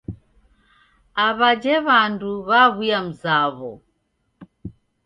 Aw'ajhe w'andu waw'uya mzaw'o.